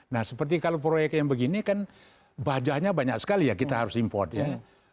nah seperti kalau proyek yang begini kan bajahnya banyak sekali ya kita harus import ya